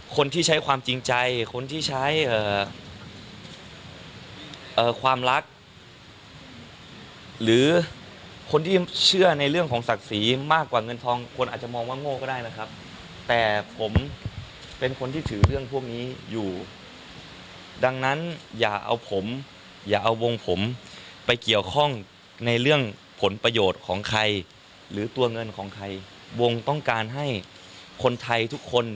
คนที่ใช้ความจริงใจคนที่ใช้ความรักหรือคนที่เชื่อในเรื่องของศักดิ์ศรีมากกว่าเงินทองคนอาจจะมองว่าโง่ก็ได้นะครับแต่ผมเป็นคนที่ถือเรื่องพวกนี้อยู่ดังนั้นอย่าเอาผมอย่าเอาวงผมไปเกี่ยวข้องในเรื่องผลประโยชน์ของใครหรือตัวเงินของใครวงต้องการให้คนไทยทุกคน